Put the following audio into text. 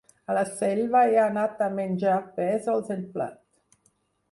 A la Selva he anat a menjar pèsols en plat.